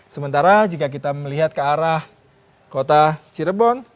sementara jika kita melihat ke arah kota cirebon